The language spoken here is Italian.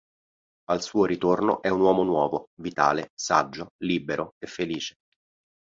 Al suo ritorno è un uomo nuovo: vitale, saggio, libero e felice.